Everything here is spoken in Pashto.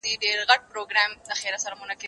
پاکوالی د مور له خوا کيږي!.